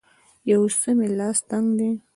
یو څه مې لاس تنګ دی